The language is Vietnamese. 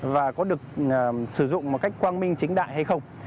và có được sử dụng một cách quang minh chính đại hay không